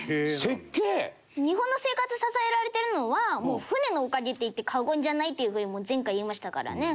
日本の生活支えられてるのはもう船のおかげって言って過言じゃないっていうぐらい前回言いましたからね。